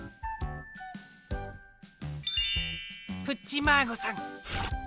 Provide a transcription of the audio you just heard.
プッチマーゴさん